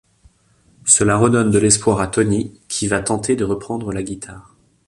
Cela redonne de l'espoir à Tony, qui va tenter de reprendre la guitare.